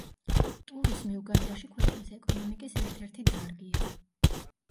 ტურიზმი უგანდაში ქვეყნის ეკონომიკის ერთ-ერთი დარგია.